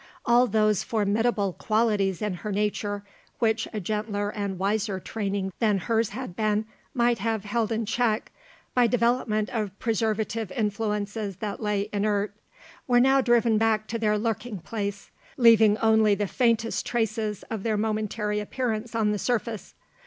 All those formidable qualities in her nature, which a gentler and wiser training than hers had been might have held in check by development of preservative influences that lay inert were now driven back to their lurking place; leaving only the faintest traces of their momentary appearance on the surface.